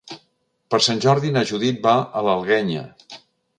Per Sant Jordi na Judit va a l'Alguenya.